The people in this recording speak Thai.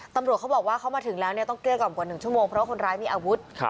ตำรวจเขาบอกว่าเขามาถึงแล้วต้องเกลือกว่า๑ชั่วโมงเพราะว่าคนร้ายมีอาวุธ